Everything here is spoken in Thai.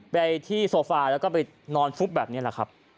ไปที่โซฟาแล้วก็ไปนอนฟุบแบบนี้แหละครับ